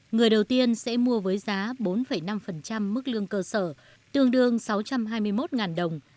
người đầu tiên sẽ mua với giá bốn năm mức lương cơ sở tương đương sáu trăm hai mươi một đồng